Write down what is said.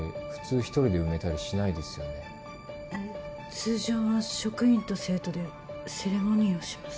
通常は職員と生徒でセレモニーをします。